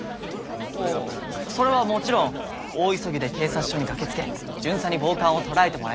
あぁそれはもちろん大急ぎで警察署に駆けつけ巡査に暴漢を捕らえてもらいます。